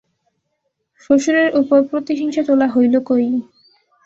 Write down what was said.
শ্বশুরের উপর প্রতিহিংসা তোলা হইল কৈ?